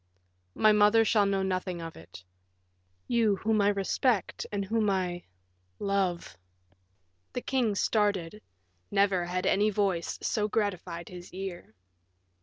My mother shall know nothing of it; you whom I respect, and whom I love " The king started; never had any voice so gratified his ear.